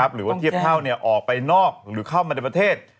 หรือว่าเทียบเท่าออกไปนอกหรือเข้ามาในประเทศ